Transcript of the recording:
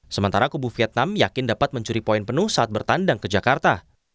sementara kubu vietnam yakin dapat mencuri poin penuh saat bertandang ke jakarta